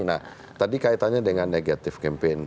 nah tadi kaitannya dengan negative campaign